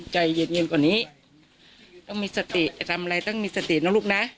ใจเย็นกว่านี้ต้องมีสติจะทำอะไรต้องมีสตินะลูกนะ